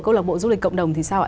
câu lạc bộ du lịch cộng đồng thì sao ạ